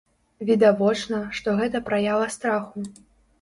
Відавочна, што гэта праява страху.